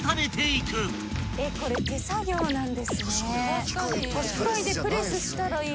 確かに。